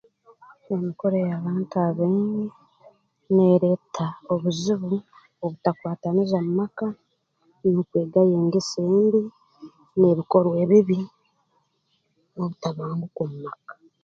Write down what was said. Emikura ey'abantu abaingi neereta obuzibu obutakwataniza mu maka n'okwegayo engeso embi n'ebikorwa ebibi n'obutabanguko omu maka